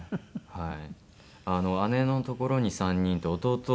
はい。